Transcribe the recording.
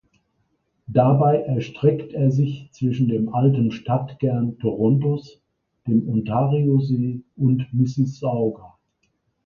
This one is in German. Dabei erstreckt er sich zwischen dem alten Stadtkern Torontos, dem Ontariosee und Mississauga.